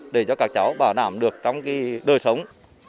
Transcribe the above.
để cho các cháu bảo đảm được trong đời sống